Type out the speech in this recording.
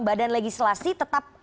badan legislasi tetap